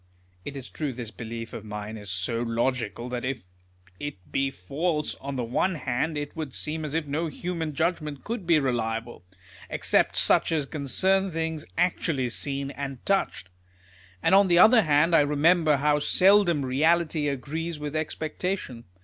" It is true this belief of mine is so logical, that if it be false, on the one hand it would seem as if no human judgment could be reliable, except such as concern things actually seen, and touched ; and on the other hand, I remember how seldom reality agrees with expectation.